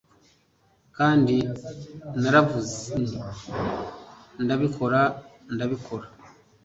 Kandi naravuze nti ndabikora, ndabikora.